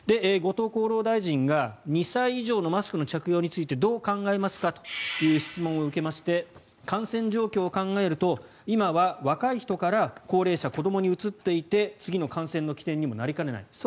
後藤厚労大臣が２歳以上のマスクの着用についてどう考えますかという質問を受けまして感染状況を考えると今は若い人から高齢者、子どもにうつっていて次の感染の起点にもなりかねない。